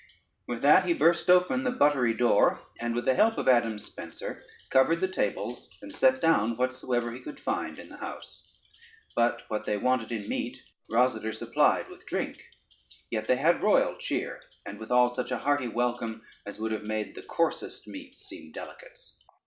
With that he burst open the buttery door, and with the help of Adam Spencer covered the tables, and set down whatsoever he could find in the house; but what they wanted in meat, Rosader supplied with drink, yet had they royal cheer, and withal such hearty welcome as would have made the coarsest meats seem delicates.